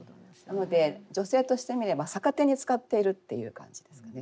なので女性として見れば逆手に使っているっていう感じですかね。